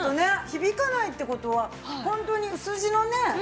響かないって事は本当に薄地のね